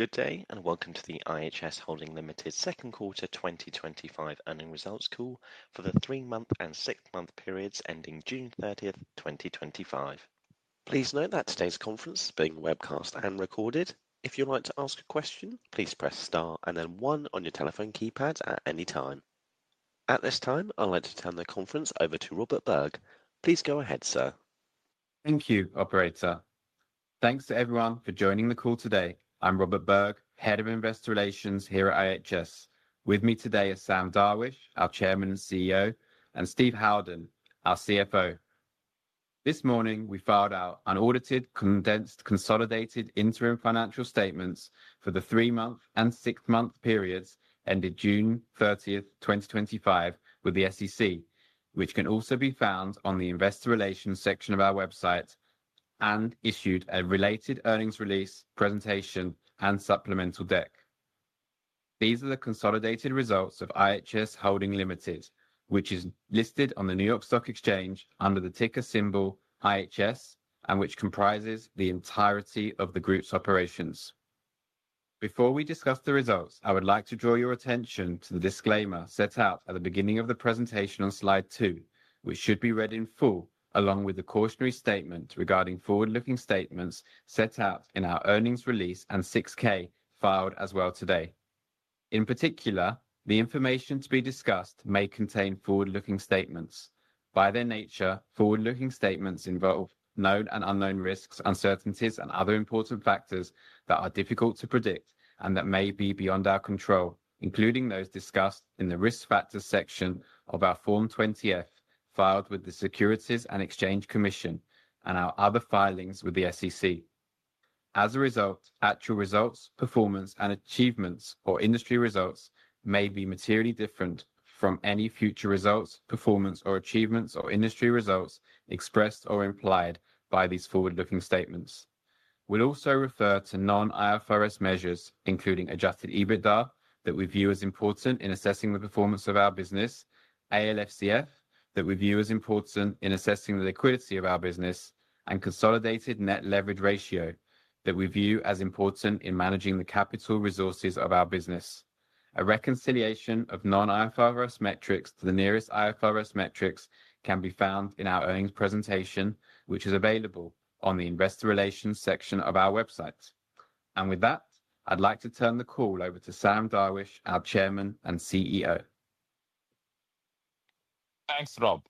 Good day and welcome to the IHS Holding Limited Second Quarter 2025 Earnings Results Call for the three month and six month periods ending June 30th, 2025. Please note that today's conference is being webcast and recorded. If you'd like to ask a question, please press Star, and then one on your telephone keypad. At this time, I'd like to turn the conference over to Robert Berg. Please go ahead, sir. Thank you, operator. Thanks to everyone for joining the call today. I'm Robert Berg, Head of Investor Relations here at IHS. With me today is Sam Darwish, our Chairman and CEO, and Steve Howden, our CFO. This morning we filed our unaudited, condensed consolidated interim financial statements for the three month and six month periods ended June 30th, 2025, with the SEC, which can also be found on the Investor Relations section of our website, and issued a related earnings release presentation and supplemental deck. These are the consolidated results of IHS Holding Limited, which is listed on the New York Stock Exchange under the ticker symbol IHS and which comprises the entirety of the Group's operations. Before we discuss the results, I would like to draw your attention to the disclaimer set out at the beginning of the presentation on slide two, which should be read in full along with the cautionary statement regarding forward-looking statements set out in our earnings release and 6-K filed as well today. In particular, the information to be discussed may contain forward-looking statements. By their nature, forward-looking statements involve known and unknown risks, uncertainties, and other important factors that are difficult to predict and that may be beyond our control, including those discussed in the Risk Factors section of our Form 20-F filed with the Securities and Exchange Commission and our other filings with the SEC. As a result, actual results, performance, and achievements or industry results may be materially different from any future results, performance, or achievements or industry results expressed or implied by these forward-looking statements. We'll also refer to non-IFRS measures including adjusted EBITDA that we view as important in assessing the performance of our business, ALFCF that we view as important in assessing the liquidity of our business, and consolidated Net Leverage Ratio that we view as important in managing the capital resources of our business. A reconciliation of non-IFRS metrics to the nearest IFRS metrics can be found in our earnings presentation, which is available on the Investor Relations section of our website. With that, I'd like to turn the call over to Sam Darwish, our Chairman and CEO. Thanks Rob.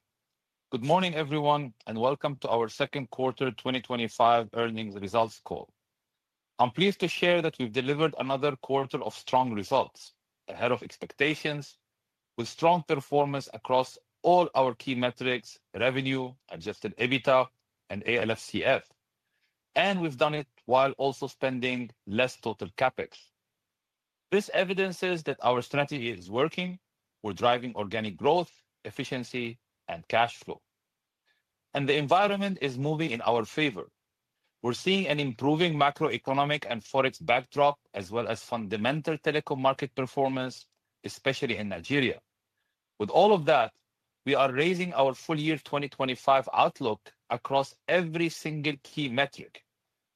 Good morning everyone and welcome to our second quarter 2025 earnings results call. I'm pleased to share that we've delivered another quarter of strong results ahead of expectations with strong performance across all our key metrics: revenue, adjusted EBITDA, and ALFCF. We've done it while also spending less total CapEx. This evidences that our strategy is working, we're driving organic growth, efficiency, and cash flow, and the environment is moving in our favor. We're seeing an improving macroeconomic and forex backdrop as well as fundamental telecom market performance, especially in Nigeria. With all of that, we are raising our full year 2025 outlook across every single key metric.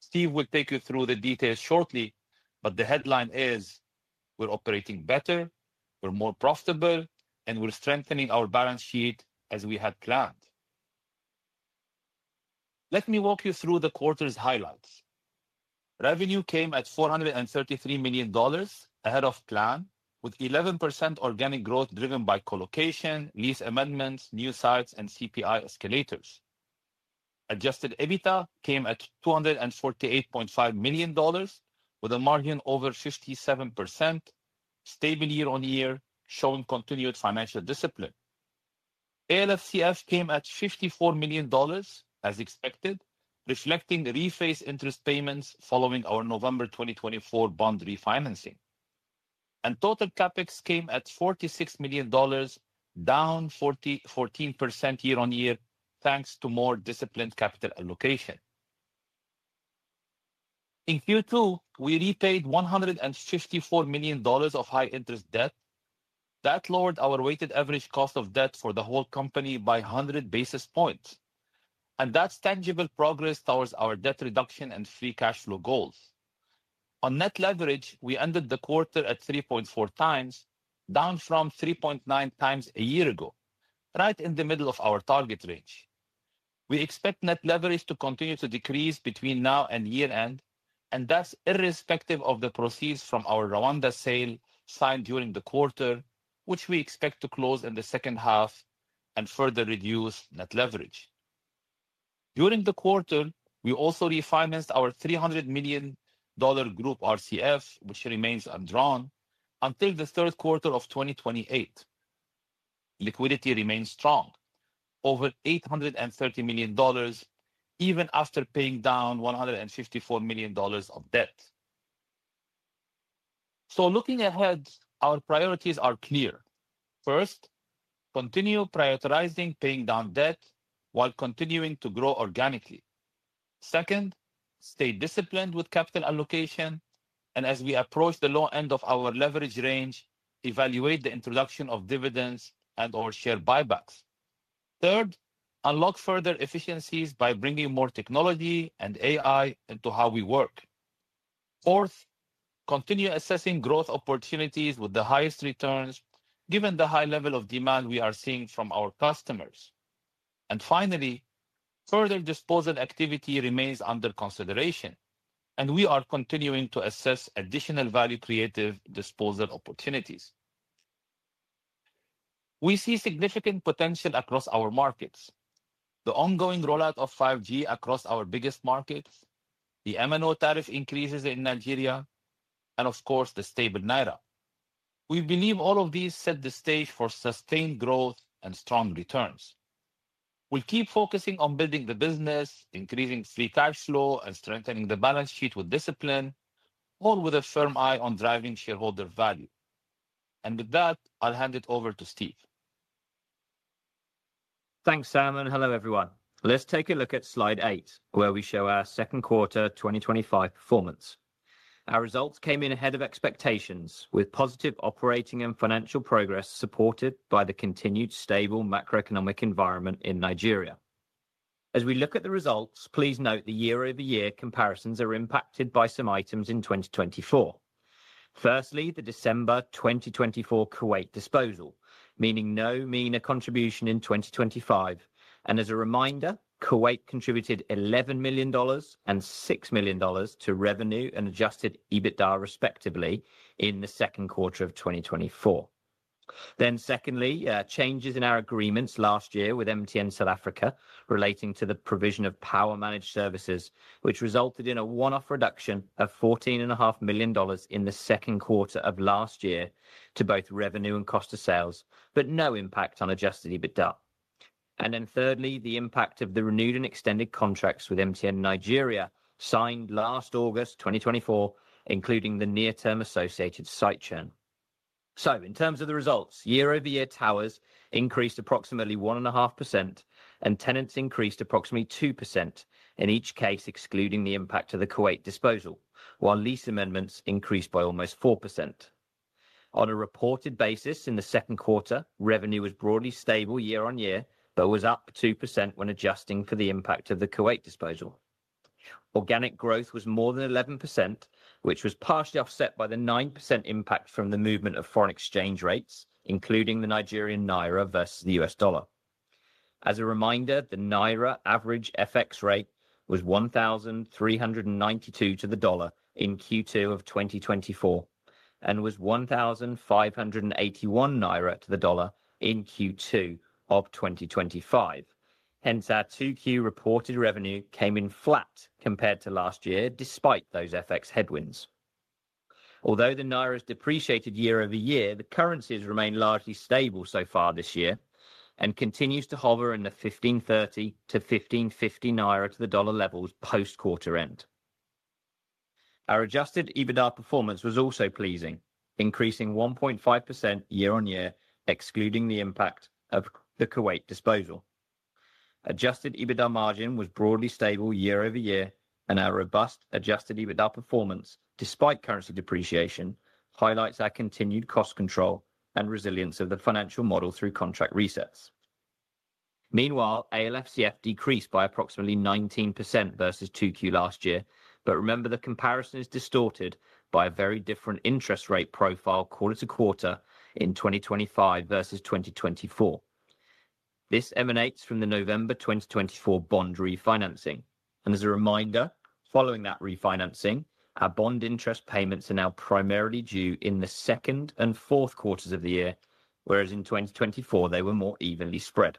Steve will take you through the details shortly, but the headline is we're operating better, we're more profitable, and we're strengthening our balance sheet as we had planned. Let me walk you through the quarter's highlights. Revenue came at $433 million, ahead of plan, with 11% organic growth driven by colocation, lease amendments, new sites, and CPI escalators. Adjusted EBITDA came at $248.5 million with a margin over 57%, stable year-on-year, showing continued financial discipline. ALFCF came at $54 million as expected, reflecting the reface interest payments following our November 2024 bond refinancing, and total CapEx came at $46 million, down 14% year-on-year thanks to more disciplined capital allocation. In Q2, we repaid $154 million of high interest debt. That lowered our weighted average cost of debt for the whole company by 100 basis points, and that's tangible progress towards our debt reduction and free cash flow goals. On net leverage, we ended the quarter at 3.4x, down from 3.9x a year ago, right in the middle of our target range. We expect net leverage to continue to decrease between now and year end, and that's irrespective of the proceeds from our Rwanda sale signed during the quarter, which we expect to close in the second half and further reduce net leverage. During the quarter, we also refinanced our $300 million group revolving credit facility, which remains undrawn until the third quarter of 2028. Liquidity remains strong, over $830 million, even after paying down $154 million of debt. Looking ahead, our priorities are clear. First, continue prioritizing paying down debt while continuing to grow organically. Second, stay disciplined with capital allocation, and as we approach the low end of our leverage range, evaluate the introduction of dividends and/or share buybacks. Third, unlock further efficiencies by bringing more technology and AI into how we work. Fourth, continue assessing growth opportunities with the highest returns given the high level of demand we are seeing from our customers. Finally, further disposal activity remains under consideration, and we are continuing to assess additional value creative disposal opportunities. We see significant potential across our markets, the ongoing rollout of 5G across our biggest market, the M&O tariff increases in Nigeria, and of course the stable Naira. We believe all of these set the stage for sustained growth and strong returns. We will keep focusing on building the business, increasing free cash flow, and strengthening the balance sheet with discipline, all with a firm eye on driving shareholder value. With that, I'll hand it over to Steve. Thanks Sam and hello everyone. Let's take a look at slide eight where we show our second quarter 2025 performance. Our results came in ahead of expectations with positive operating and financial progress supported by the continued stable macroeconomic environment in Nigeria. As we look at the results, please note the year-ove- year comparisons are impacted by some items in 2024. Firstly, the December 2024 Kuwait disposal meaning no MENA contribution in 2025, and as a reminder, Kuwait contributed $11 million and $6 million to revenue and adjusted EBITDA respectively in the second quarter of 2024. Secondly, changes in our agreements last year with MTN South Africa relating to the provision of power managed services resulted in a one-off reduction of $14.5 million in the second quarter of last year to both revenue and cost of sales but no impact on adjusted EBITDA. Thirdly, the impact of the renewed and extended contracts with MTN Nigeria signed last August 2024 including the near term associated site churn. In terms of the results, year-over-year towers increased approximately 1.5% and tenants increased approximately 2% in each case excluding the impact of the Kuwait disposal, while lease amendments increased by almost 4% on a reported basis in the second quarter. Revenue was broadly stable year-on-year but was up 2% when adjusting for the impact of the Kuwait disposal. Organic growth was more than 11% which was partially offset by the 9% impact from the movement of foreign exchange rates including the Nigerian naira versus the U.S. dollar. As a reminder, the naira average FX rate was 1,392 to the dollar in Q2 of 2024 and was 1,581 naira to the dollar in Q2 of 2025. Hence our 2Q reported revenue came in flat compared to last year despite those FX headwinds. Although the naira has depreciated year-over-year, the currencies remain largely stable so far this year and continue to hover in the 1,530- 1,550 naira to the dollar levels post quarter end. Our adjusted EBITDA performance was also pleasing, increasing 1.5% year-on-year excluding the impact of the Kuwait disposal. Adjusted EBITDA margin was broadly stable year-over-year and our robust adjusted EBITDA performance despite currency depreciation highlights our continued cost control and resilience of the financial model through contract resets. Meanwhile, ALFCF decreased by approximately 19% versus 2Q last year. Remember, the comparison is distorted by a very different interest rate profile quarter to quarter in 2025 versus 2024. This emanates from the November 2024 bond refinancing, and as a reminder, following that refinancing, our bond interest payments are now primarily due in the second and fourth quarters of the year, whereas in 2024 they were more evenly spread.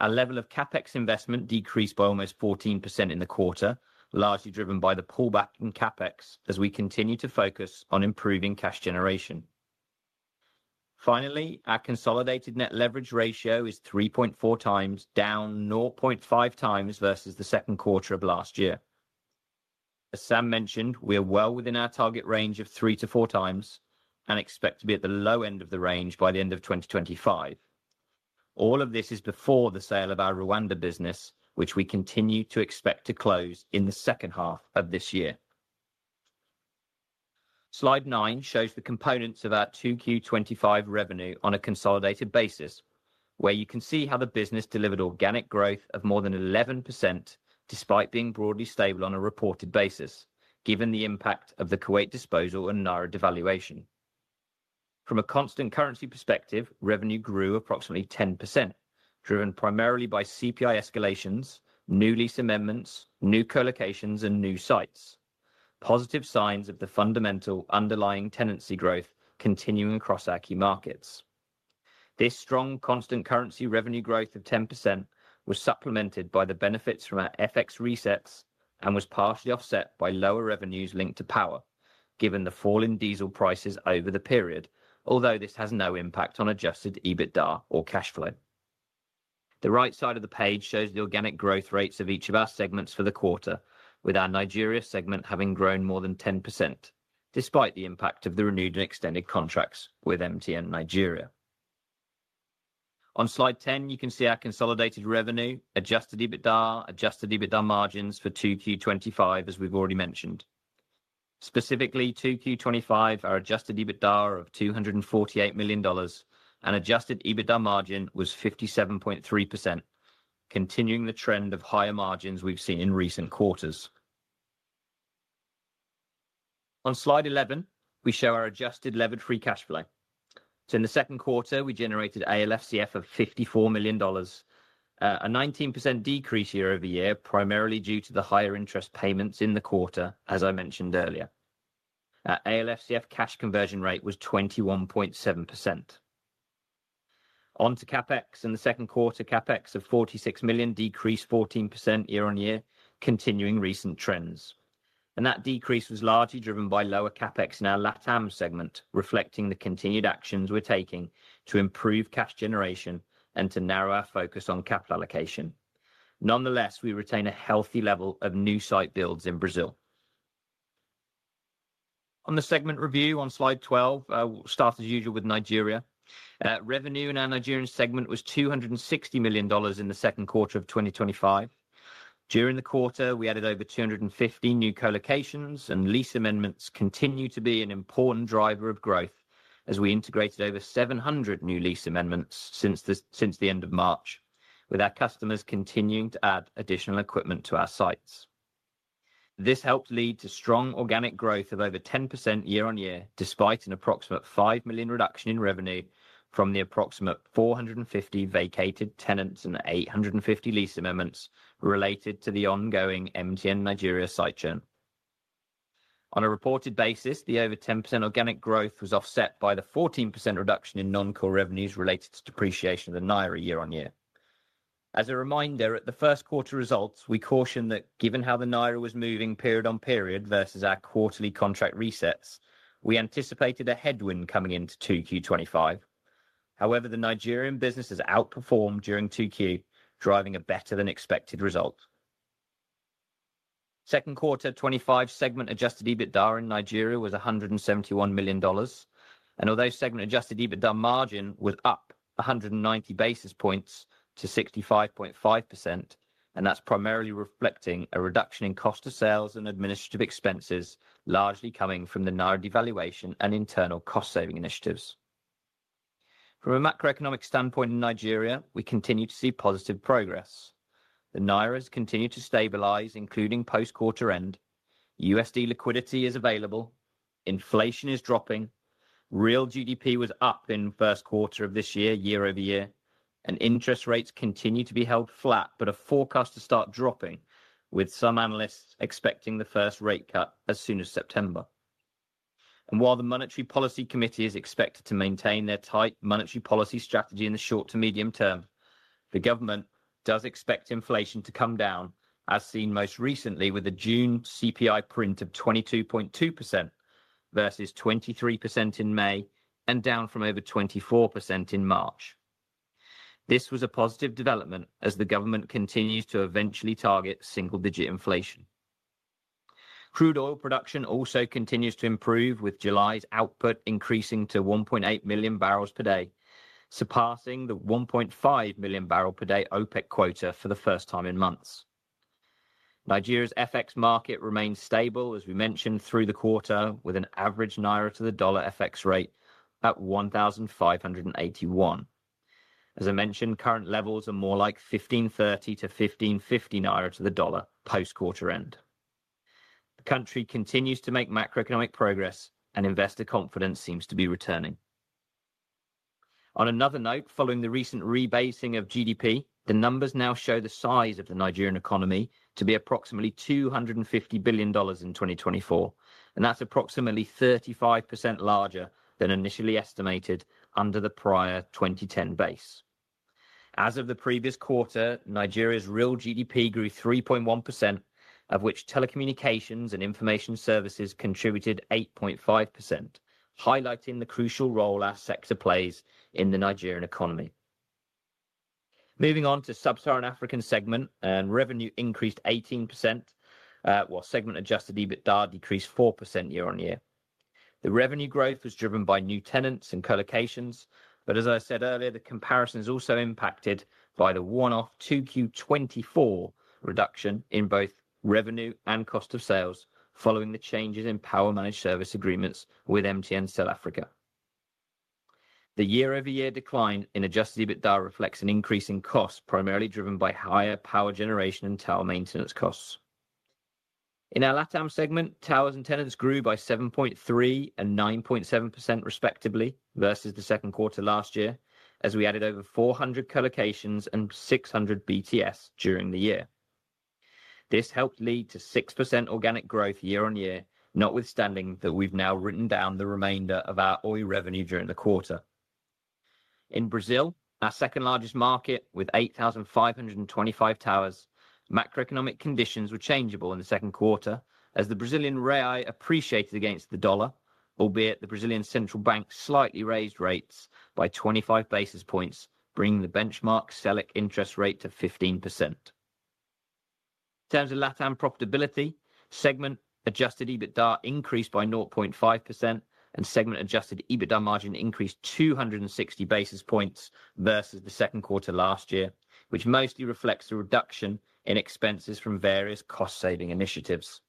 Our level of capex investment decreased by almost 14% in the quarter, largely driven by the pullback in capex as we continue to focus on improving cash generation. Finally, our consolidated net leverage ratio is 3.4x, down 0.5x versus the second quarter of last year. As Sam mentioned, we are well within our target range of 3-4x and expect to be at the low end of the range by the end of 2025. All of this is before the sale of our Rwanda business, which we continue to expect to close in the second half of this year. Slide nine shows the components of our 2Q 2025 revenue on a consolidated basis, where you can see how the business delivered organic growth of more than 11% despite being broadly stable on a reported basis given the impact of the Kuwait disposal and Naira devaluation. From a constant currency perspective, revenue grew approximately 10%, driven primarily by CPI escalations, new lease amendments, new colocations, and new sites, positive signs of the fundamental underlying tenancy growth continuing across our key markets. This strong constant currency revenue growth of 10% was supplemented by the benefits from our FX resets and was partially offset by lower revenues linked to power given the fall in diesel prices over the period, although this has no impact on adjusted EBITDA or cash flow. The right side of the page shows the organic growth rates of each of our segments for the quarter, with our Nigeria segment having grown more than 10% despite the impact of the renewed and extended contracts with MTN Nigeria. On slide 10, you can see our consolidated revenue, adjusted EBITDA, and adjusted EBITDA margins for 2Q 2025. As we've already mentioned, specifically 2Q 2025, our adjusted EBITDA of $248 million and adjusted EBITDA margin was 57.3%, continuing the trend of higher margins we've seen in recent quarters. On slide 11, we show our adjusted levered free cash flow. In the second quarter, we generated ALFCF of $54 million, a 19% decrease year-over year, primarily due to the higher interest payments in the quarter. As I mentioned earlier, ALFCF cash conversion rate was 21.7% onto CapEx and the second quarter CapEx of $46 million decreased 14% year-on-year, continuing recent trends. That decrease was largely driven by lower CapEx in our LATAM segment, reflecting the continued actions we're taking to improve cash generation and to narrow our focus on capital allocation. Nonetheless, we retain a healthy level of new site builds in Brazil. On the segment review on slide 12, we'll start as usual with Nigeria. Revenue in our Nigerian segment was $260 million in the second quarter of 2025. During the quarter, we added over 250 new colocations and lease amendments continue to be an important driver of growth as we integrated over 700 new lease amendments since the end of March, with our customers continuing to add additional equipment to our sites. This helped lead to strong organic growth of over 10% year-on year, despite an approximate $5 million reduction in revenue from the approximate 450 vacated tenants and 850 lease amendments related to the ongoing MTN Nigeria site churn. On a reported basis, the over 10% organic growth was offset by the 14% reduction in non-core revenues related to depreciation of the Naira year-on-year. As a reminder, at the first quarter results, we cautioned that given how the Naira was moving period on period versus our quarterly contract resets, we anticipated a headwind coming into 2Q 2025. However, the Nigerian business has outperformed during 2Q, driving a better than expected result. Second quarter 2025 segment adjusted EBITDA in Nigeria was $171 million, and although segment adjusted EBITDA margin was up 190 basis points to 65.5%, that's primarily reflecting a reduction in cost of sales and administrative expenses, largely coming from the Naira devaluation and internal cost saving initiatives. From a macroeconomic standpoint in Nigeria, we continue to see positive progress. The Naira continues to stabilize, including post quarter end. USD liquidity is available, inflation is dropping, real GDP was up in first quarter of this year year-over-year, and interest rates continue to be held flat but are forecast to start dropping, with some analysts expecting the first rate cut as soon as September. While the Monetary Policy Committee is expected to maintain their tight monetary policy strategy in the short to medium term, the government does expect inflation to come down as seen most recently with the June CPI print of 22.2% versus 23% in May and down from over 24% in March. This was a positive development as the government continues to eventually target single-digit inflation. Crude oil production also continues to improve with July's output increasing to 1.8 million barrels per day, surpassing the 1.5 million bbl per day OPEC quota for the first time in months. Nigeria's FX market remains stable as we mentioned through the quarter with an average naira to the dollar FX rate at 1581. As I mentioned, current levels are more like 1530- 1550 naira to the dollar. Post quarter end, the country continues to make macroeconomic progress and investor confidence seems to be returning. On another note, following the recent rebasing of GDP, the numbers now show the size of the Nigerian economy to be approximately $250 billion in 2024 and that's approximately 35% larger than initially estimated under the prior 2010 base. As of the previous quarter, Nigeria's real GDP grew 3.1% of which telecommunications and information services contributed 8.5%, highlighting the crucial role our sector plays in the Nigerian economy. Moving on to Sub-Saharan Africa, segment revenue increased 18% while segment adjusted EBITDA decreased 4% year-on-year. The revenue growth was driven by new tenants and colocations, but as I said earlier, the comparison is also impacted by the one-off 2Q 2024 reduction in both revenue and cost of sales following the changes in power managed service agreements with MTN Sell Africa. The year-over-year decline in adjusted EBITDA reflects an increase in costs primarily driven by higher power generation and tower maintenance costs. In our LATAM segment, towers and tenants grew by 7.3% and 9.7% respectively versus the second quarter last year as we added over 400 colocations and 600 build-to-suits during the year. This helped lead to 6% organic growth year-on-year. Notwithstanding that, we've now written down the remainder of our oil revenue during the quarter. In Brazil, our second largest market with 8,525 towers, macroeconomic conditions were changeable in the second quarter as the Brazilian Real appreciated against the dollar. The Brazilian Central Bank slightly raised rates by 25 basis points, bringing the benchmark Selic interest rate to 15%. In terms of LATAM profitability, segment adjusted EBITDA increased by 0.5% and segment adjusted EBITDA margin increased 260 basis points versus the second quarter last year, which mostly reflects a reduction in expenses from various cost saving initiatives.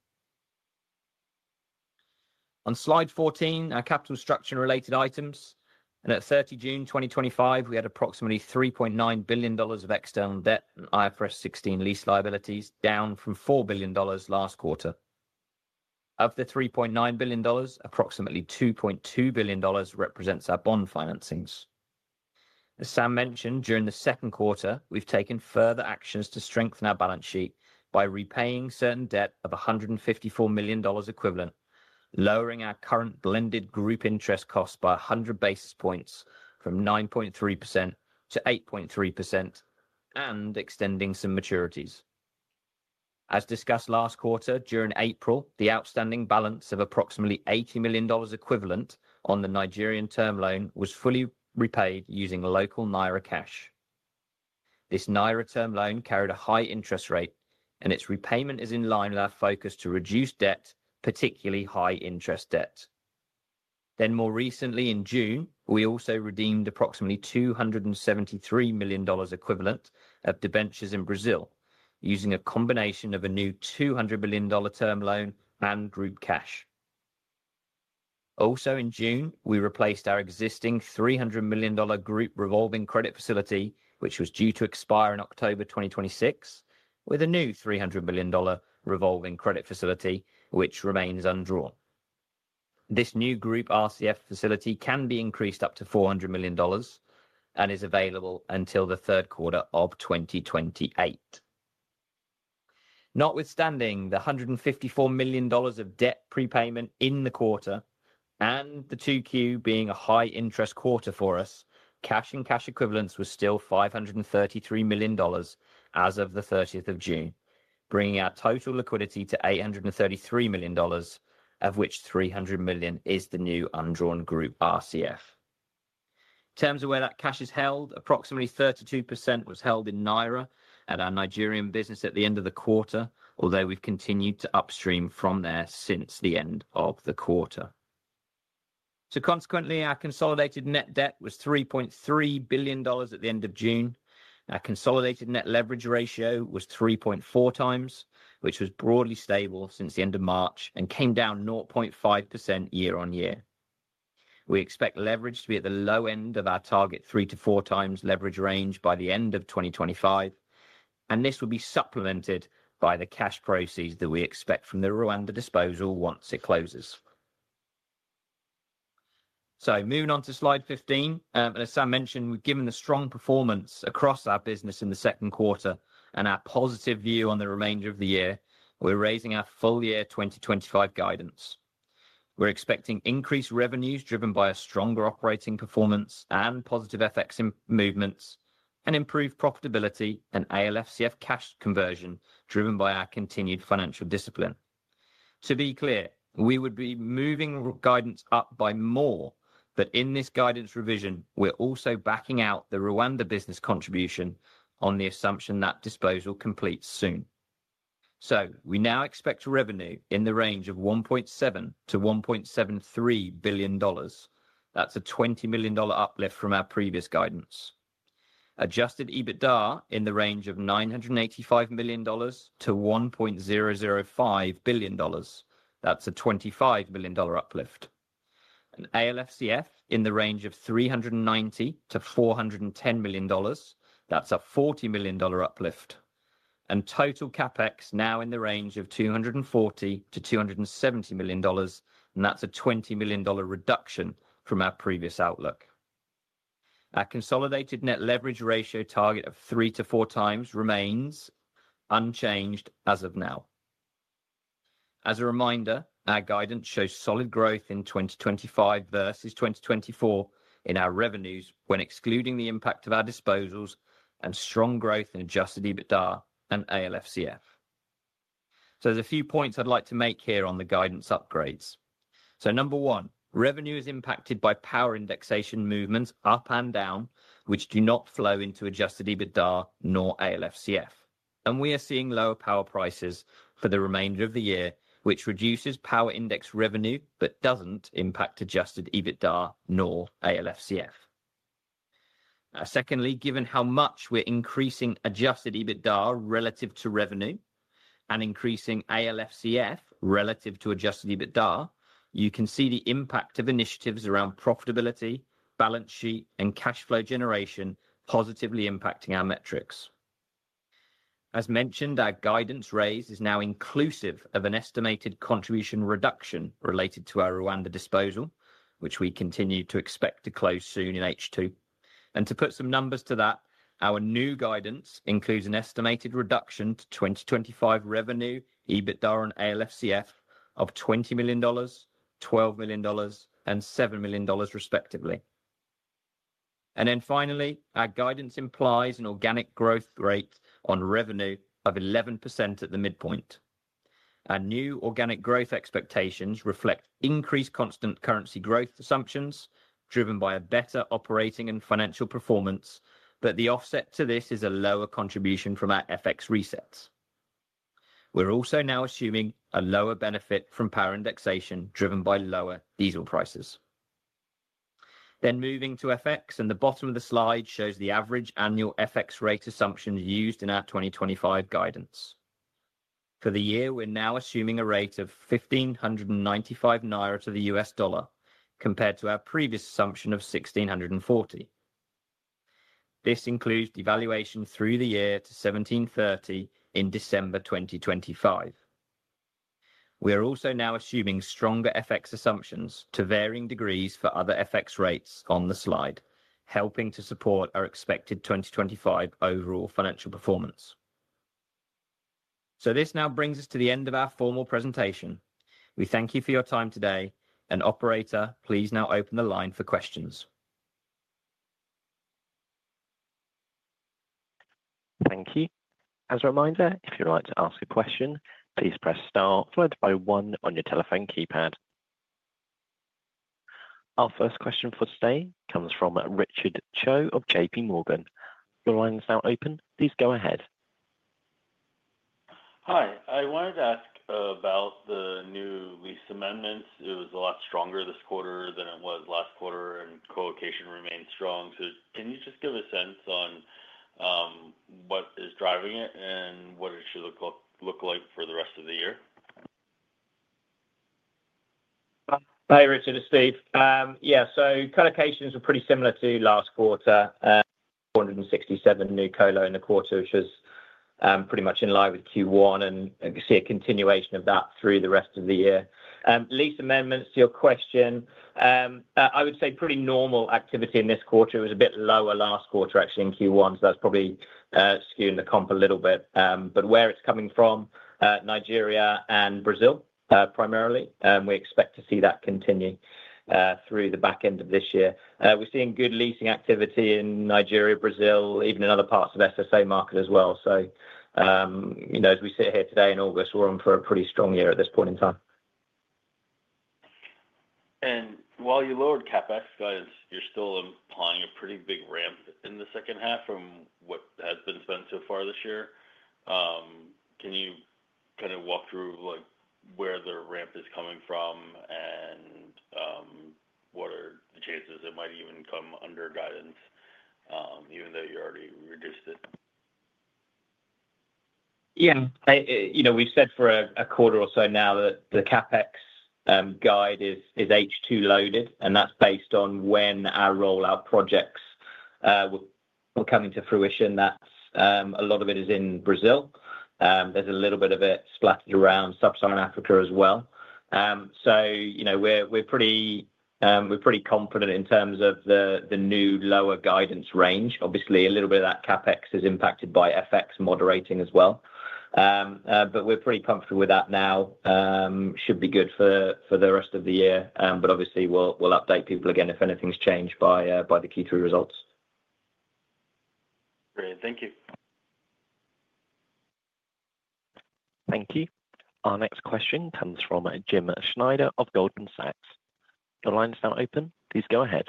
On slide 14, our capital structure and related items, at 30 June 2025 we had approximately $3.9 billion of external debt and IFRS 16 lease liabilities, down from $4 billion last quarter. Of the $3.9 billion, approximately $2.2 billion represents our bond financings. As Sam mentioned, during the second quarter we've taken further actions to strengthen our balance sheet by repaying certain debt of $154 million equivalent, lowering our current blended group interest costs by 100 basis points from 9.3%-8.3% and extending some maturities. As discussed last quarter, during April the outstanding balance of approximately $80 million equivalent on the Nigerian term loan was fully repaid using local Naira cash. This Naira term loan carried a high interest rate and its repayment is in line with our focus to reduce debt, particularly high interest debt. More recently in June we also redeemed approximately $273 million equivalent of debentures in Brazil using a combination of a new $200 million term loan and group cash. Also in June we replaced our existing $300 million group revolving credit facility which was due to expire in October 2026 with a new $300 million revolving credit facility which remains undrawn. This new group revolving credit facility can be increased up to $400 million and is available until the third quarter of 2028. Notwithstanding the $154 million of debt prepayment in the quarter and the second quarter being a high interest quarter for us. Cash and cash equivalents, it was still $533 million as of 30th June, bringing our total liquidity to $833 million, of which $300 million is the new undrawn group revolving credit facility. In terms of where that cash is held, approximately 32% was held in Naira at our Nigerian business at the end of the quarter, although we've continued to upstream from there since the end of the quarter. Consequently, our consolidated net debt was $3.3 billion at the end of June. Our consolidated net leverage ratio was 3.4x, which was broadly stable since the end of March and came down 0.5% year-on-year. We expect leverage to be at the low end of our target 3-4x leverage range by the end of 2025. This will be supplemented by the cash proceeds that we expect from the Rwanda disposal once it closes. Moving on to slide 15, as Sam mentioned, given the strong performance across our business in the second quarter and our positive view on the remainder of the year, we're raising our full year 2025 guidance. We're expecting increased revenues driven by a stronger operating performance and positive FX movements and improved profitability and ALFCF cash conversion driven by our continued financial discipline. To be clear, we would be moving guidance up by more, but in this guidance revision we're also backing out the Rwanda business contribution on the assumption that disposal completes soon. We now expect revenue in the range of $1.7 billion-$1.73 billion. That's a $20 million uplift from our previous guidance. Adjusted EBITDA in the range of $985 million to $1.005 billion. That's a $25 million uplift. An ALFCF in the range of $390 million-$410 million. That's a $40 million uplift. Total CapEx now in the range of $240 million-$270 million, and that's a $20 million reduction from our previous outlook. Our consolidated net leverage ratio target of 3-4x remains unchanged as of now. As a reminder, our guidance shows solid growth in 2025 versus 2024 in our revenues when excluding the impact of our disposals and strong growth in adjusted EBITDA and ALFCF. There are a few points I'd like to make here on the guidance upgrades. Number one, revenue is impacted by power indexation movements up and down which do not flow into adjusted EBITDA nor ALFCF. We are seeing lower power prices for the remainder of the year, which reduces power index revenue but doesn't impact adjusted EBITDA nor ALFCF. Secondly, given how much we're increasing adjusted EBITDA relative to revenue and increasing ALFCF relative to adjusted EBITDA, you can see the impact of initiatives around profitability, balance sheet and cash flow generation positively impacting our metrics. As mentioned, our guidance raise is now inclusive of an estimated contribution reduction related to our Rwanda disposal, which we continue to expect to close soon in H2. To put some numbers to that, our new guidance includes an estimated reduction to 2025 revenue, EBITDA and ALFCF of $20 million, $12 million and $7 million, respectively. Finally, our guidance implies an organic growth rate on revenue of 11% at the midpoint. New organic growth expectations reflect increased constant currency growth assumptions driven by a better operating and financial performance. The offset to this is a lower contribution from our FX resets. We're also now assuming a lower benefit from power indexation driven by lower diesel prices. Moving to FX, the bottom of the slide shows the average annual FX rate assumptions used in our 2025 guidance for the year. We're now assuming a rate of 1,595 naira to the US dollar compared to our previous assumption of 1,640. This includes devaluation through the year to 1,730 in December 2025. We are also now assuming stronger FX assumptions to varying degrees for other FX rates on the slide, helping to support our expected 2025 overall financial performance. This now brings us to the end of our formal presentation. We thank you for your time today, and operator, please now open the line for questions. Thank you. As a reminder, if you would like to ask a question, please press Star, followed by one on your telephone keypad. Our first question for today comes from Richard Cho of JPMorgan. The line is now open. Please go ahead. Hi, I wanted to ask about the new lease amendments. It was a lot stronger this quarter than it was last quarter, and colocation remains strong. Can you just give a sense on what is driving it and what it should look like for the rest of the year? Hi Richard, it's Steve. Yeah, so colocations are pretty similar to last quarter. 467 new colocations in the quarter, which is pretty much in line with Q1, and see a continuation of that through the rest of the year. Lease amendments, to your question, I would say pretty normal activity in this quarter. It was a bit lower last quarter actually in Q1, so that's probably skewing the comp a little bit. Where it's coming from, Nigeria and Brazil primarily, we expect to see that continue through the back end of this year. We're seeing good leasing activity in Nigeria, Brazil, even in other parts of Sub-Saharan Africa market as well. As we sit here today in August, we're on for a pretty strong year at this point in time. While you lowered capex guys, you're still implying a pretty big ramp in the second half from what has been spent so far this year. Can you kind of walk through where the ramp is coming from and what are the chances it might even come under guidance even though you already reduced it? Yeah. We've said or a quarter or so now that the capex guide is H2 loaded, and that's based on when our rollout projects were coming to fruition. A lot of it is in Brazil. There's a little bit of it splattered around Sub-Saharan Africa as well. We're pretty confident in terms of the new lower guidance range. Obviously, a little bit of that capex is impacted by FX moderating as well, but we're pretty comfortable with that now. Should be good for the rest of the year. Obviously, we'll update people again if anything's changed by the Q3 results. Great, thank you. Thank you. Our next question comes from Jim Schneider of Goldman Sachs. The line is now open. Please go ahead.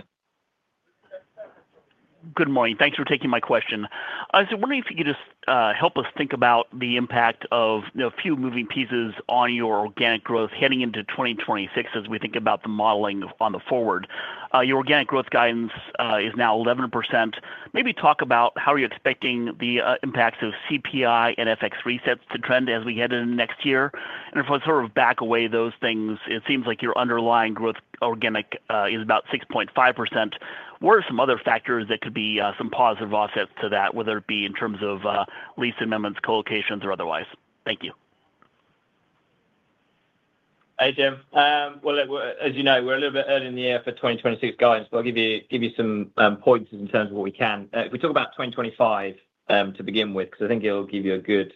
Good morning. Thanks for taking my question. I was wondering if you could just help us think about the impact of a few moving pieces on your organic growth heading into 2026. As we think about the modeling on the forward, your organic growth guidance is now 11%. Maybe talk about how you are expecting the impacts of CPI and FX resets to trend as we head into next year. If I sort of back away those, it seems like your underlying organic growth is about 6.5%. What are some other factors that could be some positive offsets to that, whether it be in terms of lease amendments, colocations, or otherwise. Thank you. Hey, Jim. As you know, we're a little bit early in the year for 2026 guidance. I'll give you some points in terms of what we can if we talk about 2025 to begin with because I think it'll give you a good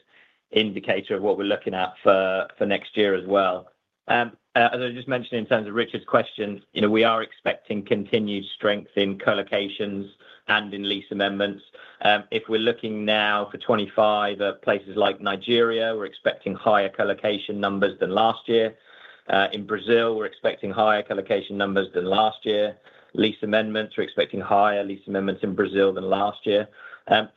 indicator of what we're looking at for next year as well. As I just mentioned in terms of Richard's question, we are expecting continued strength in colocations and in lease amendments. If we're looking now for 2025 at places like Nigeria, we're expecting higher colocation numbers than last year. In Brazil, we're expecting higher colocation numbers than last year. Lease amendments are expecting higher lease amendments in Brazil than last year.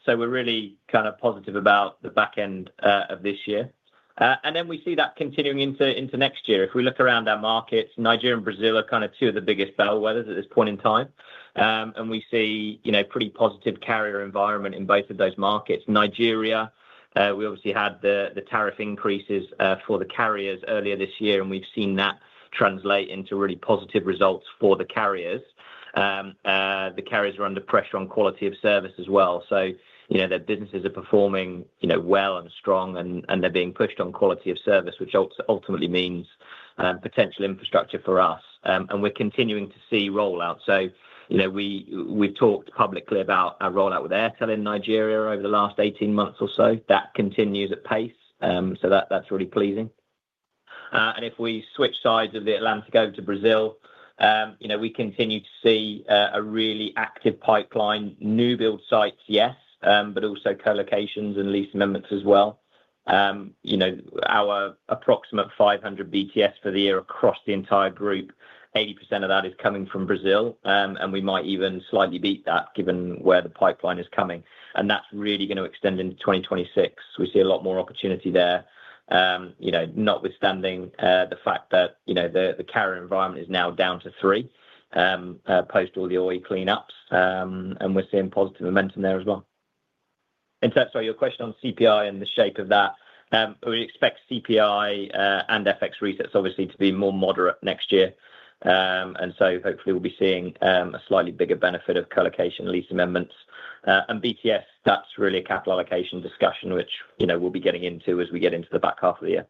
We're really kind of positive about the back end of this year and we see that continuing into next year. If we look around our markets, Nigeria and Brazil are two of the biggest bellwethers at this point in time and we see pretty positive carrier environment in both of those markets. Nigeria, we obviously had the tariff increases for the carriers earlier this year and we've seen that translate into really positive results for the carriers. The carriers are under pressure on quality of service as well. Their businesses are performing well and strong and they're being pushed on quality of service, which ultimately means potential infrastructure for us. We're continuing to see rollout. We've talked publicly about our rollout with Airtel in Nigeria over the last 18 months or so. That continues at pace, so that's really pleasing. If we switch sides of the Atlantic over to Brazil, we continue to see a really active pipeline. New build sites, yes, but also colocations and lease amendments as well. Our approximate 500 build-to-suit for the year across the entire group, 80% of that is coming from Brazil and we might even slightly beat that given where the pipeline is coming. That's really going to extend into 2026. We see a lot more opportunity there, notwithstanding the fact that the carrier environment is now down to three post all the OE cleanups and we're seeing positive momentum there as well. Sorry, your question on CPI and the shape of that. We expect CPI and FX resets obviously to be more moderate next year and hopefully we'll be seeing a slightly bigger benefit of colocation, lease amendments and build-to-suit. That's really a capital allocation discussion which we'll be getting into as we get into the back half of the year.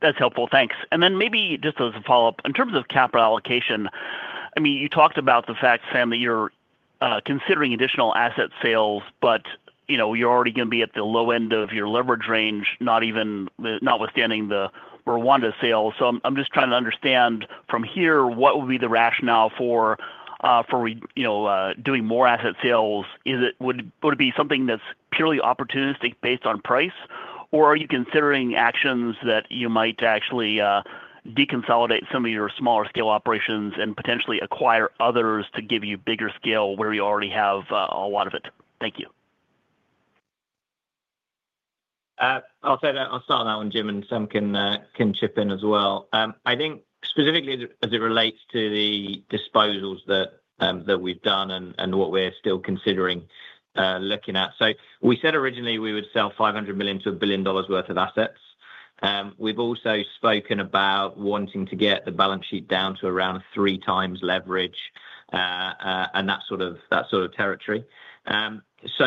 That's helpful, thanks. Maybe just as a follow up in terms of capital allocation. You talked about the fact, Sam, that you're considering additional asset sales but you're already going to be at the low end of your leverage range, notwithstanding the Rwanda sales. I'm just trying to understand from here what would be the rationale for doing more asset sales. Would it be something that's purely opportunistic based on price, or are you considering actions that you might actually deconsolidate some of your smaller scale operations and potentially acquire others to give you bigger scale where you already have a lot of it. Thank you. I'll say that I'll start on that one. Jim and Sam can chip in as well. I think specifically as it relates to the disposals that we've done and what we're still considering looking at. We said originally we would sell $500 million to $1 billion worth of assets. We've also spoken about wanting to get the balance sheet down to around 3x leverage and that sort of territory.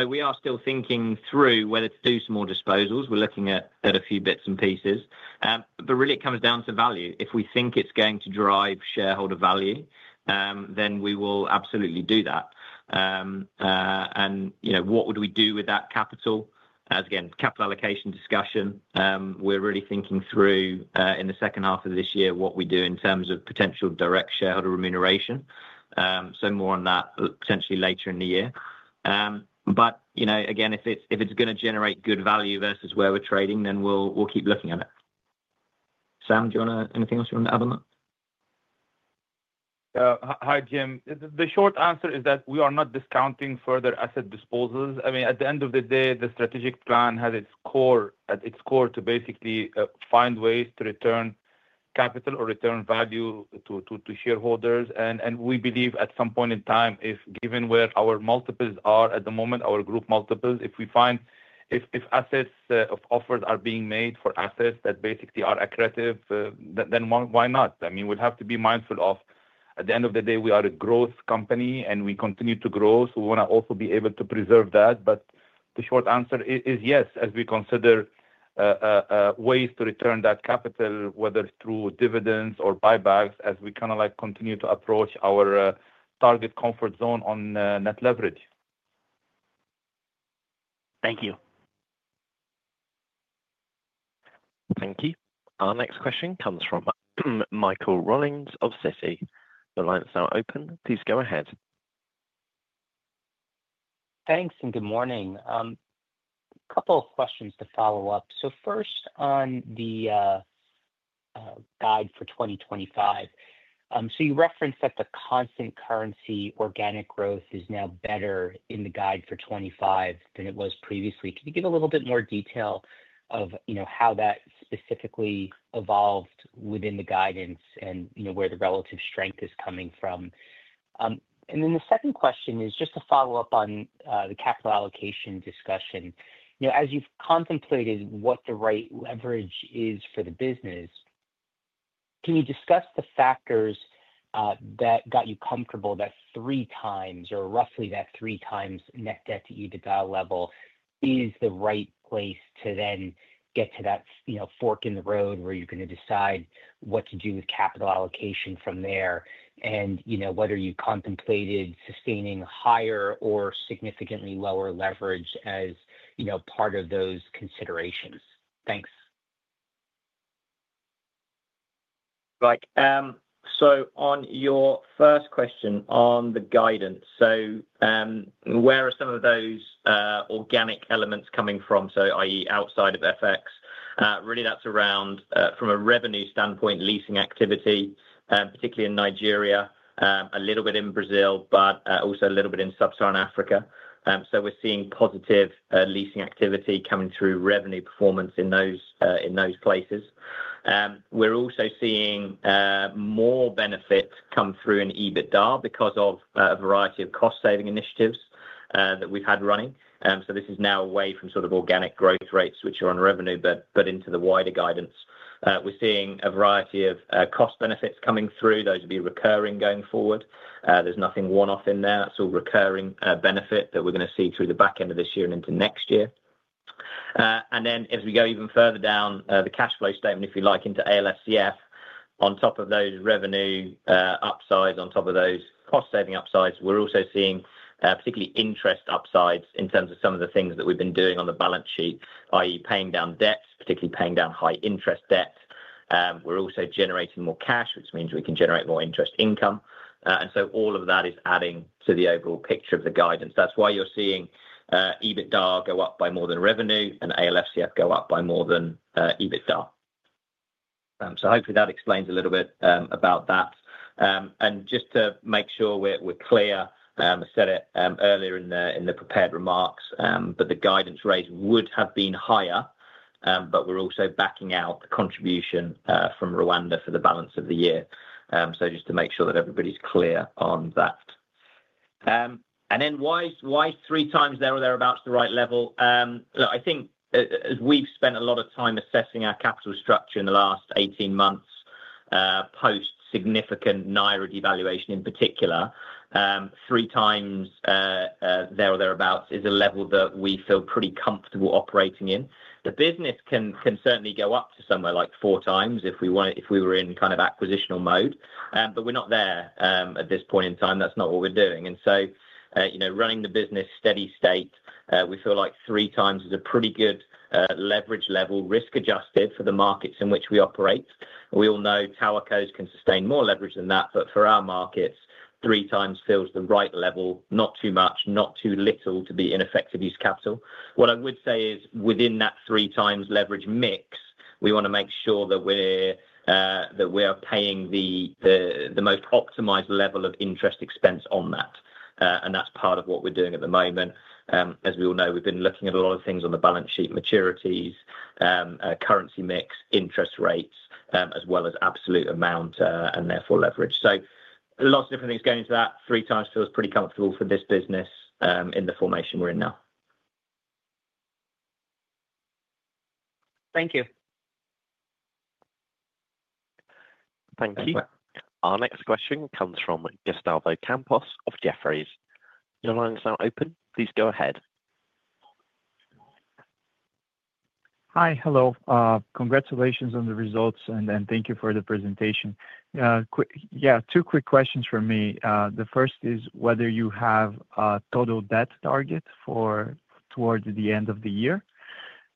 We are still thinking through whether to do some more disposals. We're looking at a few bits and pieces, but really it comes down to value. If we think it's going to drive shareholder value, then we will absolutely do that. You know, what would we do with that capital? As again, capital allocation discussion, we're really thinking through in the second half of this year what we do in terms of potential direct shareholder remuneration. More on that potentially later in the year. You know, again, if it's going to generate good value versus where we're trading, then we'll keep looking at it. Sam, do you want to, anything else you want to add on that? Hi, Jim. The short answer is that we are not discounting further asset disposals. At the end of the day, the strategic plan has at its core to basically find ways to return capital or return value to shareholders. We believe at some point in time, given where our multiples are at the moment, our group multiples, if offers are being made for assets that basically are accretive, then why not? We have to be mindful of, at the end of the day, we are a growth company and we continue to grow, so we want to also be able to preserve that. The short answer is yes, as we consider ways to return that capital, whether through dividends or buybacks, as we continue to approach our target comfort zone on net leverage. Thank you. Thank you. Our next question comes from Michael Rollins of Citi. The line is now open. Please go ahead. Thanks and good morning. A couple of questions to follow up. First on the guide for 2025, you referenced that the constant currency organic growth is now better in the guide for 2025 than it was previously. Can you give a little bit more detail of how that specifically evolved within the guidance and where the relative strength is coming from? The second question is just to follow up on the capital allocation discussion. As you've contemplated what the right leverage is for the business. Can you discuss the factors that got you comfortable that 3x, or roughly that 3x net debt to EBITDA level is the right place to then get to that fork in the road where you're going to decide what to do with capital allocation from there and whether you contemplated sustaining higher or significantly lower leverage as part of those considerations. Thanks. Right, on your first question on the guidance, where are some of those organic elements coming from? I.e., outside of FX really, that's around, from a revenue standpoint, leasing activity, particularly in Nigeria, a little bit in Brazil, but also a little bit in Sub-Saharan Africa. We're seeing positive leasing activity coming through, revenue performance in those places. We're also seeing more benefits come through in EBITDA because of a variety of cost saving initiatives that we've had running. This is now away from organic growth rates, which are on revenue, but into the wider guidance, we're seeing a variety of cost benefits coming through. Those would be recurring going forward. There's nothing worn off in there. It's all recurring benefit that we're going to see through the back end of this year and into next year. As we go even further down the cash flow statement, if you like, into ALFCF, on top of those revenue upsides, on top of those cost saving upsides, we're also seeing particularly interest upsides in terms of some of the things that we've been doing on the balance sheet, that is paying down debts, particularly paying down high interest debt. We're also generating more cash, which means we can generate more interest income. All of that is adding to the overall picture of the guidance. That's why you're seeing EBITDA go up by more than revenue and ALFCF go up by more than EBITDA. Hopefully that explains a little bit about that. Just to make sure we're clear, I said it earlier in the prepared remarks, but the guidance raised would have been higher. We're also backing out the contribution from Rwanda for the balance of the year. Just to make sure that everybody's clear on that. Why 3x there or thereabouts the right level? I think as we've spent a lot of time assessing our capital structure in the last 18 months post significant naira devaluation in particular, 3x there or thereabouts is a level that we feel pretty comfortable operating in. The business can certainly go up to somewhere like 4x if we were in kind of acquisitional mode. We're not there at this point in time. That's not what we're doing. Running the business steady state, we feel like 3x is a pretty good leverage level risk adjusted for the markets in which we operate. We all know Towercos can sustain more leverage than that. For our markets, 3x feels the right level, not too much, not too little to be ineffective use of capital. What I would say is within that 3x leverage mix, we want to make sure that we are paying the most optimized level of interest expense on that. That's part of what we're doing at the moment. As we all know, we've been looking at a lot of things on the balance sheet, maturities, currency mix, interest rates as well as absolute amount and therefore leverage. Lots of different things going into that. Three times feels pretty comfortable for this business in the formation we're in now. Thank you. Thank you. Our next question comes from Gustavo Campos of Jefferies. Your lines are open. Please go ahead. Hi. Hello. Congratulations on the results and thank you for the presentation. Two quick questions for me. The first is whether you have a total debt target for towards the end of the year,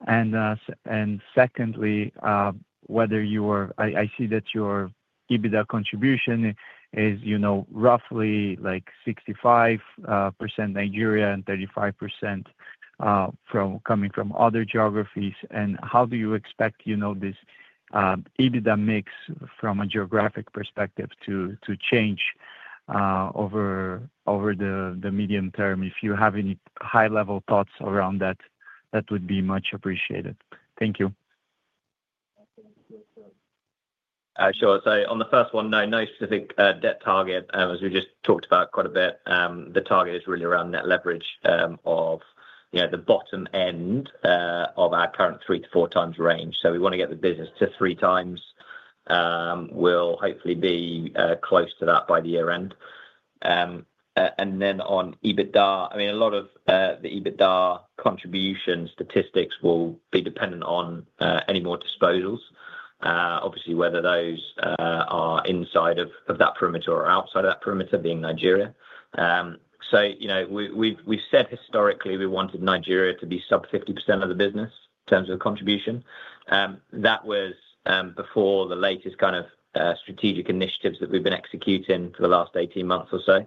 and secondly whether you are. I see that your EBITDA contribution is, you know, roughly like 65% Nigeria and 35% from coming from other geographies. How do you expect, you know, this EBITDA mix from a geographic perspective to change over the medium term? If you have any high level thoughts around that, that would be much appreciated. Thank you. Sure. On the first one, no specific debt target as we just talked about quite a bit. The target is really around net leverage at the bottom end of our current three to 4x range. We want to get the business to 3x. We'll hopefully be close to that by the year end. On EBITDA, a lot of the EBITDA contribution statistics will be dependent on any more disposals, obviously whether those are inside of that perimeter or outside of that perimeter being Nigeria. We've said historically we wanted Nigeria to be sub 50% of the business in terms of contribution. That was before the latest kind of strategic initiatives that we've been executing for the last 18 months or so.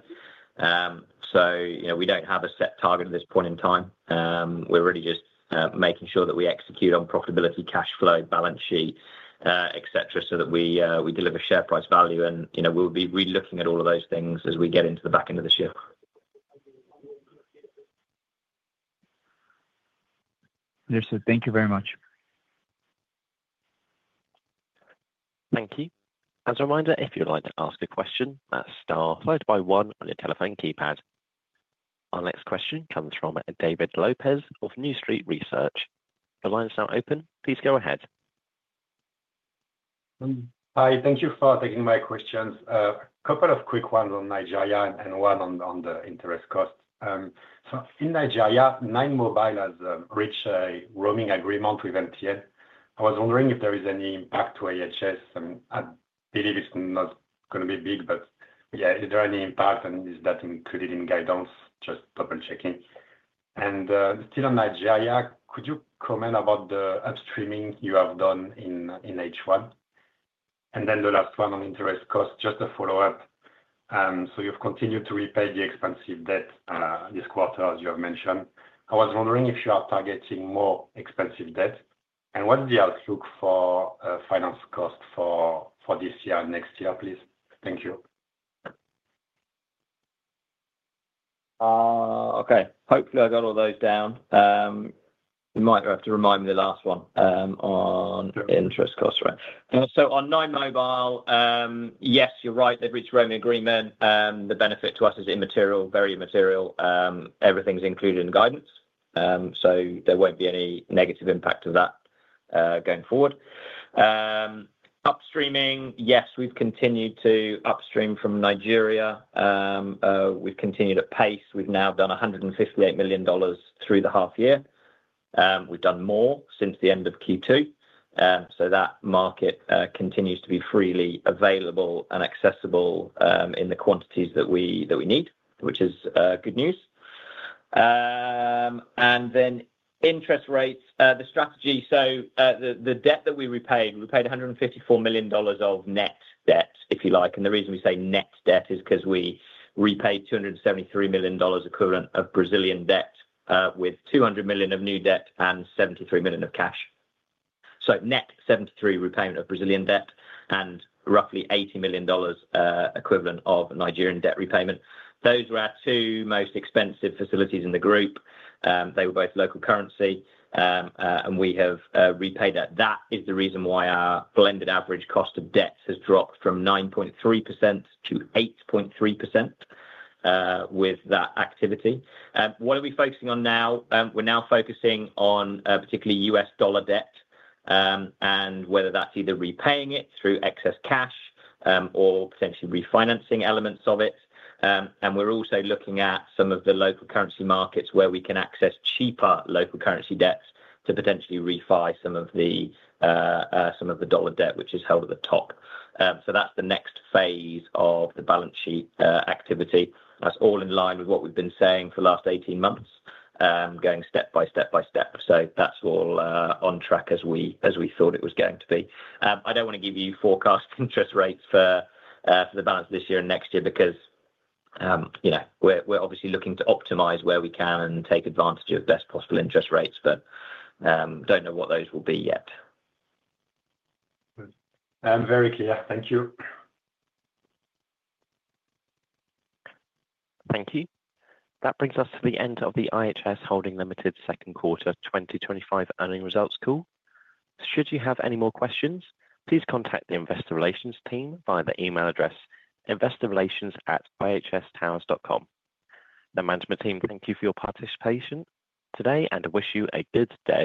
We don't have a set target at this point in time. We're really just making sure that we execute on profitability, cash flow, balance sheet, etc. so that we deliver share price value and we'll be relooking at all of those things as we get into the back end of the year. Thank you very much. Thank you. As a reminder, if you'd like to ask a question, Star, followed by one on your telephone keypad. Our next question comes from David Lopez of New Street Research. The line is now open. Please go ahead. Hi, thank you for taking my questions. A couple of quick ones on Nigeria and one on the interest cost. In Nigeria, 9Mobile has reached a roaming agreement with MTN. I was wondering if there is any impact to IHS. I mean I believe it's not going to be big. Is there any impact and is that included in guidance? Just double checking. Still on Nigeria, could you comment about the upstreaming you have done in H1? The last one on interest cost, just a follow up. You've continued to repay the expensive debt this quarter as you have mentioned. I was wondering if you are targeting more expensive debt and what's the outlook for finance cost for this year, next year please. Thank you. Okay. Hopefully I got all those down. You might have to remind me the last one on interest costs. Right.On 9Mobile, yes, you're right. They've reached a roaming agreement. The benefit to us is immaterial, very immaterial. Everything's included in guidance, so there won't be any negative impact of that going forward. Upstreaming? Yes, we've continued to upstream from Nigeria, we've continued at pace. We've now done $158 million through the half year. We've done more since the end of Q2. That market continues to be freely available and accessible in the quantities that we need, which is good news. Interest rates, the strategy. The debt that we repaid, we paid $154 million of net debt, if you like. The reason we say net debt is because we repaid $273 million equivalent of Brazilian debt with $200 million of new debt and $73 million of cash. Net, $73 million repayment of Brazilian debt and roughly $80 million equivalent of Nigerian debt repayment. Those were our two most expensive facilities in the group. They were both local currency, and we have repaid that. That is the reason why our blended average cost of debt has dropped from 9.3%-8.3% with that activity. We are now focusing on particularly U.S. dollar debt and whether that's either repaying it through excess cash or potentially refinancing elements of it. We are also looking at some of the local currency markets where we can access cheaper local currency debts to potentially refi some of the dollar debt is held at the top. That's the next phase of the balance sheet activity. That's all in line with what we've been saying for the last 18 months, going step by step by step. That's all on track as we thought it was going to be. I don't want to give you forecast interest rates for the balance of this year and next year because you know, we're obviously looking to optimize where we can and take advantage of best possible interest rates, but don't know what those will be yet. I'm very clear. Thank you. Thank you. That brings us to the end of the IHS Holding Limited Second Quarter 2025 earnings results call. Should you have any more questions, please contact the Investor Relations team via the email address investorrelations@ihstowers.com. The management team thank you for your participation today and wish you a good day.